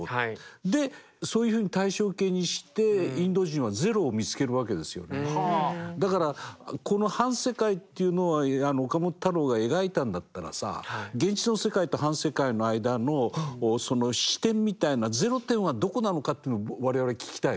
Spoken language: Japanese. でそういうふうに対称形にしてインド人はだからこの「反世界」っていうのを岡本太郎が描いたんだったらさ現実の世界と「反世界」の間の始点みたいなゼロ点はどこなのかっていうのを我々は聞きたいですね。